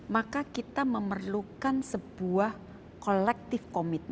maka kita memerlukan sebuah collective committee